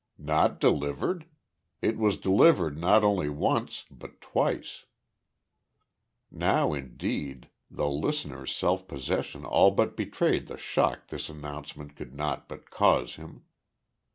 "Not delivered? It was delivered not once only, but twice." Now, indeed, the listener's self possession all but betrayed the shock this announcement could not but cause him.